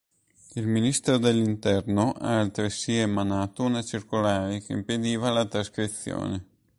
Il Ministro dell'Interno ha altresì emanato una circolare che impediva la trascrizione.